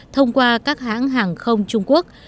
thông qua các hãng hàng không trung quốc